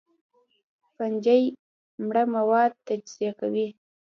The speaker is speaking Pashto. فنجي مړه مواد تجزیه کوي